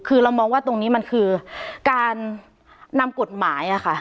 คือเรามองว่าตรงนี้มันคือการนำกฎหมายค่ะ